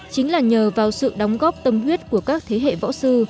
chính là nhờ vào sự đóng góp tâm huyết của các thế hệ võ sư